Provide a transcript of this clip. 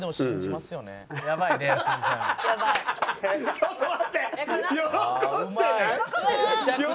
ちょっと待って！